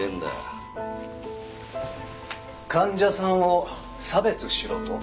患者さんを差別しろと？